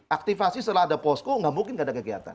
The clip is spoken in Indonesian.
aktifasi setelah ada posko nggak mungkin nggak ada kegiatan